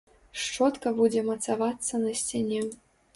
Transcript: Шчотка будзе мацавацца на сцяне.